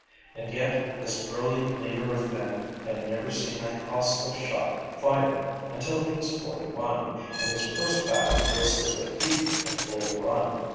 And yet this brilliant leader of men had never seen a hostile shot fired until he was forty one, and his first battle was the defeat at Bull Run.